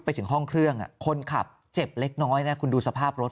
ไปถึงห้องเครื่องคนขับเจ็บเล็กน้อยนะคุณดูสภาพรถ